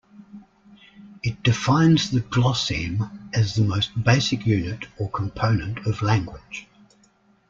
It defines the "glosseme" as the most basic unit or component of language.